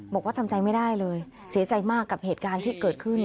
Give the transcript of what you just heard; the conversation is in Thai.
บอกว่าทำใจไม่ได้เลยเสียใจมากกับเหตุการณ์ที่เกิดขึ้น